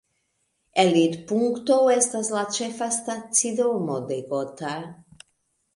Elirpunkto estas la ĉefa stacidomo de Gotha.